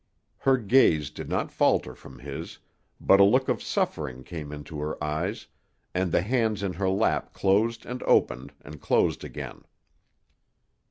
Her gaze did not falter from his, but a look of suffering came into her eyes, and the hands in her lap closed and opened, and closed again.